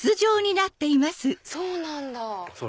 そうなんだ。